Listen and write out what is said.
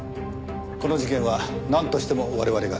この事件はなんとしても我々が。